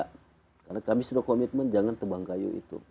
karena kami sudah komitmen jangan tebang kayu itu